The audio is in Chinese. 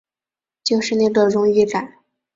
就是那个荣誉感